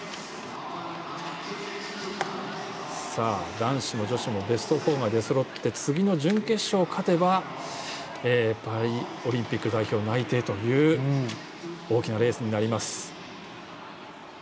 男子も女子もベスト４まで出そろって次の準決勝、勝てばパリオリンピック代表内定という大きなレースになります。